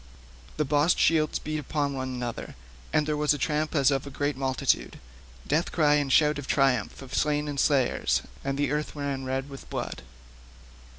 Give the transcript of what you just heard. The bossed shields beat one upon another, and there was a tramp as of a great multitude—death cry and shout of triumph of slain and slayers, and the earth ran red with blood.